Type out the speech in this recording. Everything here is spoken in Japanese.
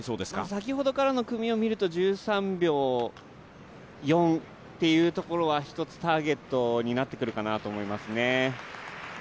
先ほどからの組を見ると１３秒４というところがひとつターゲットになってくるかなと思いますね。